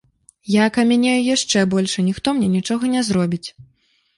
Я акамянею яшчэ больш, і ніхто мне нічога не зробіць.